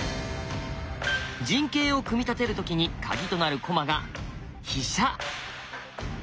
陣形を組み立てる時にカギとなる駒が「飛車」。